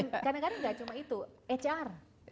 dan kadang kadang gak cuma itu hr